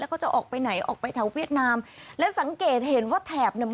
แล้วก็จะออกไปไหนออกไปแถวเวียดนามและสังเกตเห็นว่าแถบเนี่ย